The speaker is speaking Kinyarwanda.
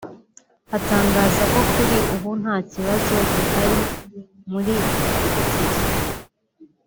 Atangaza ko kuri ubu ntakibazo gihari muri Ituri